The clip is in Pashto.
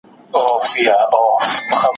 ماتي کړي مي توبې دي بیا د خُم څنګ ته درځمه